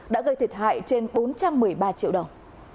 đã gây thiệt hại trên bốn trăm một mươi ba triệu đồng